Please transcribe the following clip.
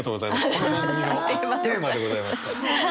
この番組のテーマでございます。